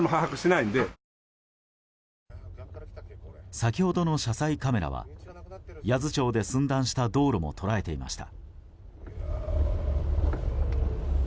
先ほどの車載カメラは八頭町で寸断した道路も捉えていました。